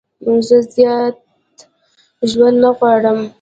زه زیات ژوند نه غواړم.